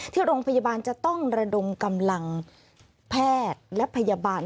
ที่โรงพยาบาลจะต้องระดมกำลังแพทย์และพยาบาล